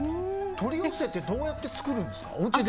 取り寄せてどうやって作るんですか？